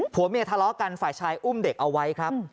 ผัวเมียทะเลาะกันฝ่ายชายอุ้มเด็กเอาไว้ครับ